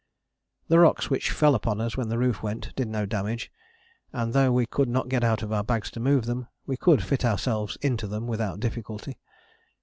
The rocks which fell upon us when the roof went did no damage, and though we could not get out of our bags to move them, we could fit ourselves into them without difficulty.